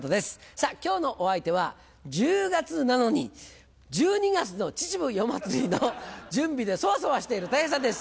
さぁ今日のお相手は１０月なのに１２月の秩父夜祭の準備でそわそわしているたい平さんです。